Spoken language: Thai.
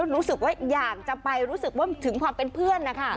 รู้สึกว่าอยากจะไปรู้สึกว่าถึงความเป็นเพื่อนนะคะ